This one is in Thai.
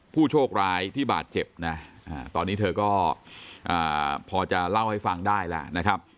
ผู้โชคร้ายที่บาดเจ็บนะตอนนี้เธอก็พอจะเล่าให้ฟังได้แล้วนะครับ